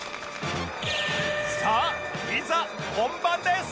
さあいざ本番です！